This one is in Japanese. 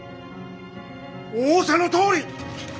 仰せのとおり！